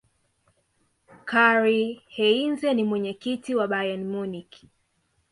karlheinze ni mwenyekiti wa bayern munich